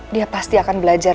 dia pasti akan belajar